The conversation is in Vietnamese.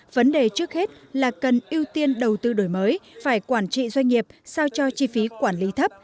vấn đề trước hết là cần ưu tiên đầu tư đổi mới phải quản trị doanh nghiệp sao cho chi phí quản lý thấp